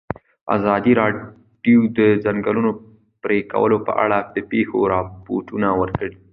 ازادي راډیو د د ځنګلونو پرېکول په اړه د پېښو رپوټونه ورکړي.